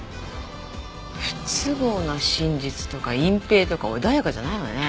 「不都合な真実」とか「隠蔽」とか穏やかじゃないわね。